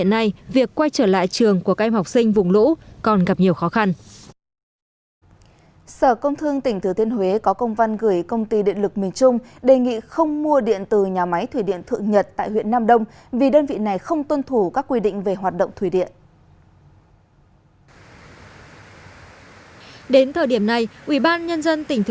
đây cũng là tình trạng chung của hàng nghìn em học sinh sau trận lũ lịch sử vừa qua tại quảng bình